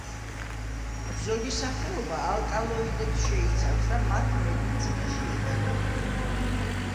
ზოგი სახეობა ალკალოიდებს შეიცავს და მათ მედიცინაში იყენებენ.